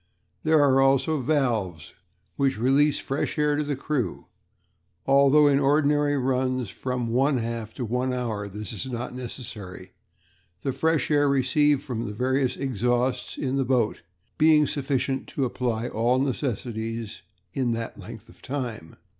There are also valves which release fresh air to the crew, although in ordinary runs of from one half to one hour this is not necessary, the fresh air received from the various exhausts in the boat being sufficient to supply all necessities in that length of time."